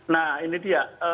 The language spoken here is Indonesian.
nah ini dia